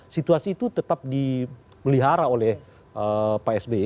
situasi itu tetap dimelihara oleh pak s b